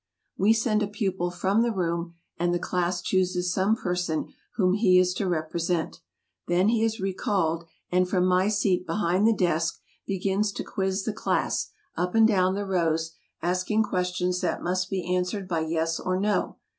We send a pupil from the room, and the class chooses some person whom he is to represent. Then he is re called, and from my seat behind the desk begins to quiz the class, up and down the rows, asking questions that must be answered by "Yes" or "No."